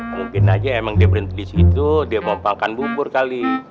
mungkin aja emang dia berhenti disitu dia mau pangkan bubur kali